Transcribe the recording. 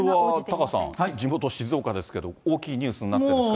これはタカさん、地元、静岡ですけど、大きいニュースになっていますか。